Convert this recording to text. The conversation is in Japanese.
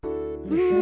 うん。